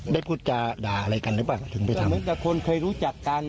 พูดจาด่าอะไรกันหรือเปล่าถึงไปทำเหมือนกับคนเคยรู้จักกัน